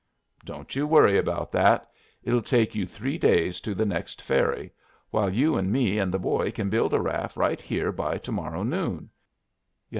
"Don't you worry about that. It'll take you three days to the next ferry, while you and me and the boy kin build a raft right here by to morrow noon.